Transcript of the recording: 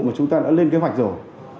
mà chúng ta đã lên kế hoạch rồi